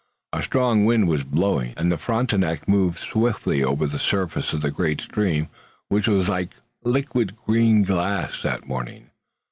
A strong wind was blowing, and the Frontenac moved swiftly over the surface of the great stream which was like liquid green glass that morning.